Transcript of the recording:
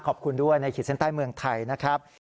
ขอบคุณด้วยในขีดเส้นใต้เมืองไทยนะครับ